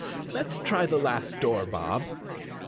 "Let's try the last door, Bob."